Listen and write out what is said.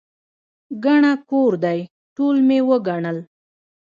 ګڼه کور دی، ټول مې وګڼل.